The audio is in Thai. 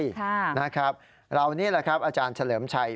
ค่ะนะครับเรานี่แหละครับอาจารย์เฉลิมชัย